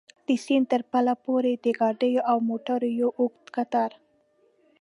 د سیند تر پله پورې د ګاډیو او موټرو یو اوږد کتار.